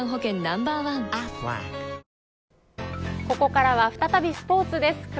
ここからは再びスポーツです。